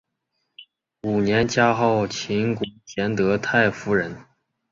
五年加号秦国贤德太夫人。